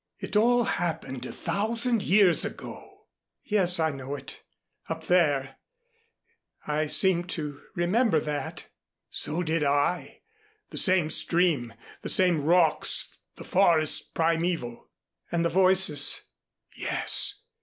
"It all happened a thousand years ago." "Yes, I know it. Up there I seemed to remember that." "So did I the same stream, the same rocks, the forest primeval." "And the voices " "Yes.